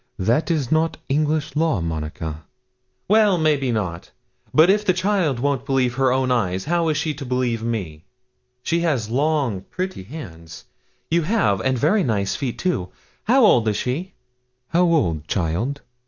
That's not English law, Monica.' 'Well, maybe not; but if the child won't believe her own eyes, how is she to believe me? She has long, pretty hands you have and very nice feet too. How old is she?' 'How old, child?'